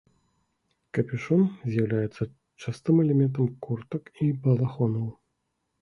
Капюшон з'яўляецца частым элементам куртак і балахонаў.